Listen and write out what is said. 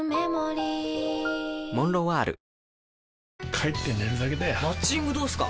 帰って寝るだけだよマッチングどうすか？